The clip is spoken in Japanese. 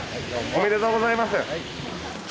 おめでとうございます。